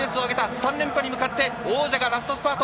３連覇に向け王者がラストスパート。